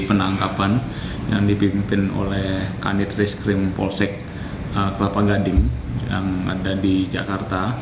penangkapan yang dipimpin oleh kanit reskrim polsek kelapa gading yang ada di jakarta